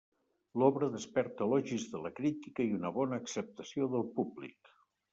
L'obra desperta elogis de la crítica i una bona acceptació del públic.